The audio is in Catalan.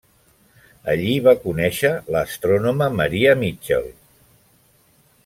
Allí va conèixer l'astrònoma Maria Mitchell.